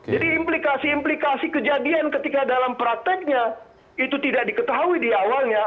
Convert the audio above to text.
jadi implikasi implikasi kejadian ketika dalam prakteknya itu tidak diketahui di awalnya